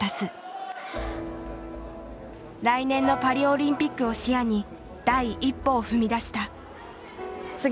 来年のパリオリンピックを視野に第一歩を踏み出した。